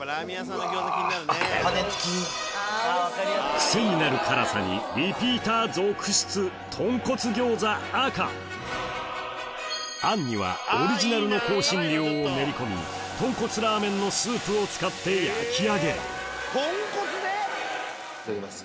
クセになる辛さにリピーター続出餡にはを練り込み豚骨ラーメンのスープを使って焼き上げるいただきます。